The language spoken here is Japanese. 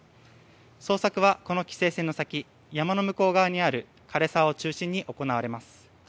捜索はこの規制線の先山の向こう側にある枯れ沢を中心に行われます。